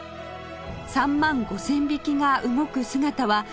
３万５０００匹が動く姿はまさに圧巻